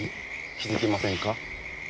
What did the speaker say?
気づきませんか？